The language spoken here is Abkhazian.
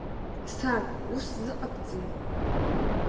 Сан, ус зыҟабҵеи!